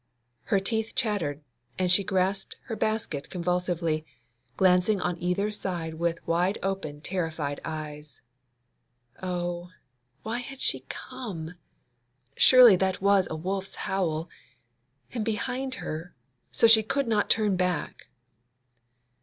Her teeth chattered, and she grasped her basket convulsively, glancing on either side with wide open, terrified eyes. Oh, why had she come? Surely that was a wolf's howl—and behind her, so that she could not turn back!